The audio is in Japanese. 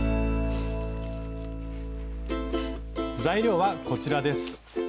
材料はこちらです。